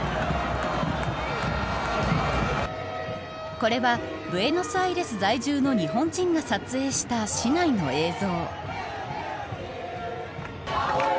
これはブエノスアイレス在住の日本人が撮影した市内の映像。